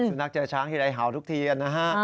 สุนัขเจอช้างทีไรเห่าทุกทีกันนะฮะ